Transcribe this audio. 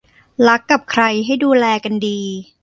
รักกับใครให้ดูแลกันดี